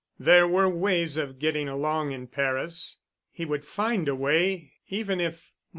There were ways of getting along in Paris. He would find a way even if